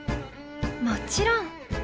「もちろん！